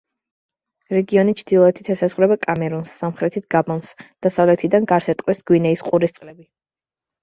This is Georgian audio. რეგიონი ჩრდილოეთით ესაზღვრება კამერუნს, სამხრეთით გაბონს, დასავლეთიდან გარს ერტყმის გვინეის ყურის წყლები.